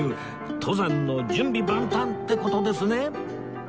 登山の準備万端って事ですね